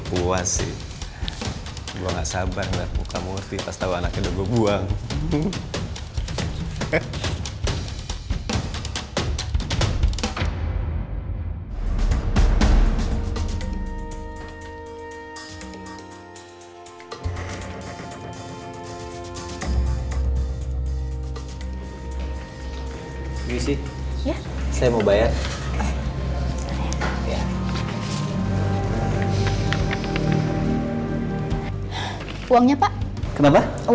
terima kasih ya